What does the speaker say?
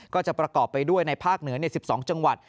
ก็จะประกอบไปด้วยในภาคเหนือใน๑๒จังหวัด